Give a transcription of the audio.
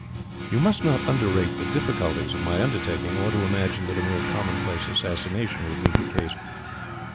You must not underrate the difficulties of my undertaking, or imagine that a mere commonplace assassination would meet the case.